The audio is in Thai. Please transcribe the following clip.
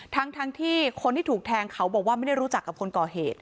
ทั้งที่คนที่ถูกแทงเขาบอกว่าไม่ได้รู้จักกับคนก่อเหตุ